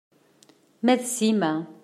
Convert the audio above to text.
Ma d Sima.